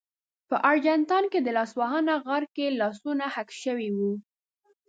په ارجنټاین کې د لاسونو غار کې لاسونه حک شوي وو.